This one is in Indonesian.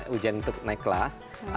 ujian untuk naik kelas